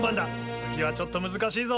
次はちょっと難しいぞ。